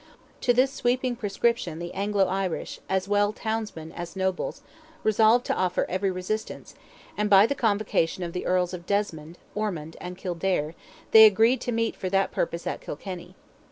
To this sweeping proscription the Anglo Irish, as well townsmen as nobles, resolved to offer every resistance, and by the convocation of the Earls of Desmond, Ormond, and Kildare, they agreed to meet for that purpose at Kilkenny.